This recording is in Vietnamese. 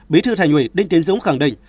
bí thư thành ủy đinh tiến dũng khẳng định